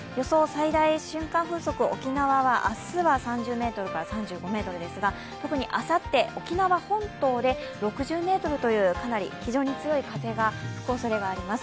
最大瞬間風速、沖縄は明日は３０メートルから３５メートルですが、特にあさって沖縄本島で６０メートルという非常に強い風が吹くおそれがあります。